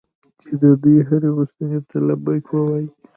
چې د دوی هرې غوښتنې ته لبیک ووایي.